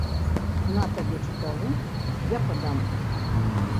На табе чапялу, я падам!